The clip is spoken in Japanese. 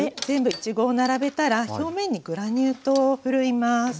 全部いちごを並べたら表面にグラニュー糖をふるいます。